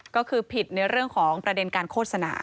ก็คือผิดในเรื่องของประเด็นการโฆษณา